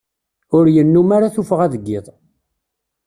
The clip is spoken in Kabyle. Ur yennum ara tuffɣa deg iḍ.